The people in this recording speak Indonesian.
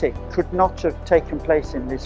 jadi perubahan digital telah datang pada saat yang tepat